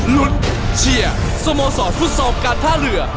ลุ้นเชียร์สโมสรฟุตซอลการท่าเรือ